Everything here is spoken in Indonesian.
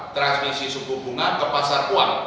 transmisi suku bunga ke pasar uang